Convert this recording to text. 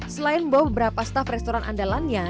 selain membawa beberapa staf restoran andalannya